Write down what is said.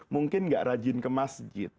mungkin gak rajin ke masjid